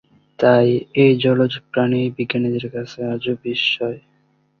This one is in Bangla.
তাই এই জলজ প্রাণী বিজ্ঞানীদের কাছে আজও বিস্ময়।